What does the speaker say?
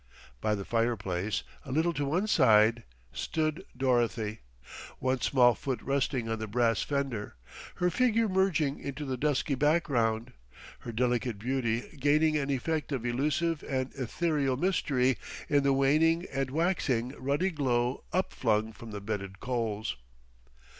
By the fireplace, a little to one side, stood Dorothy, one small foot resting on the brass fender, her figure merging into the dusky background, her delicate beauty gaining an effect of elusive and ethereal mystery in the waning and waxing ruddy glow upflung from the bedded coals.